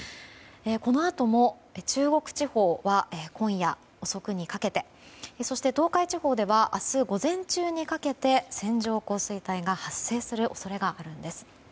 このあとも中国地方は今夜遅くにかけてそして、東海地方では明日午前中にかけて線状降水帯が発生する恐れがあるんです。